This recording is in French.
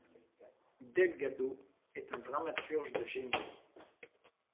Delgado est un dramaturge de génie.